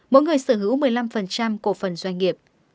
mỗi người sở hữu một mươi năm cổ phần doanh nghiệp